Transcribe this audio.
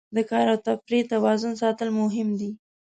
د کار او تفریح توازن ساتل مهم دي.